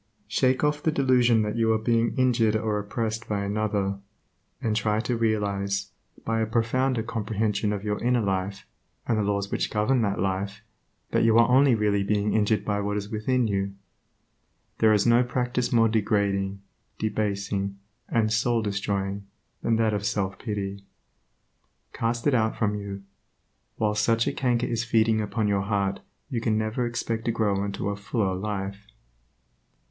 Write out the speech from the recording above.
Shake off the delusion that you are being injured or oppressed by another, and try to realize, by a profounder comprehension of your inner life, and the laws which govern that life, that you are only really injured by what is within you. There is no practice more degrading, debasing, and soul destroying than that of self pity. Cast it out from you. While such a canker is feeding upon your heart you can never expect to grow into a fuller life.